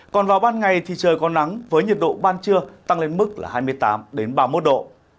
còn vào ban ngày thì trời có nắng với nhiệt độ ban trưa tăng lên mức là hai mươi tám ba mươi một độ